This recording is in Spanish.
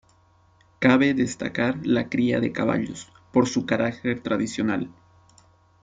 Cabe destacar la cría de caballos, por su carácter tradicional.